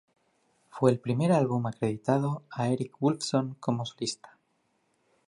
Fue el primer álbum acreditado a Eric Woolfson como solista.